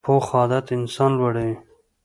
پوخ عادت انسان لوړوي